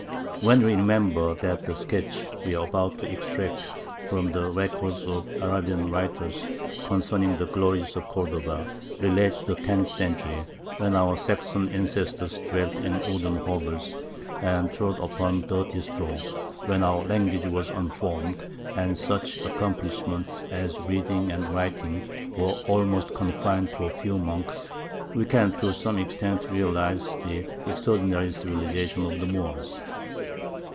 When we remember that the sketch we are about to extract from the records of Arabian writers, concerning the glories of Cordova, relate to the tenth century, when our Saxon ancestors dwelt in wooden hovels and trod upon dirty straw, when our language was unformed, and such accomplishments as reading and writing were almost confined to a few monks, we can to some extent realize the extraordinary civilization of the Moors.